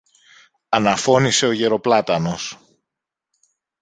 αναφώνησε ο γερο-πλάτανος.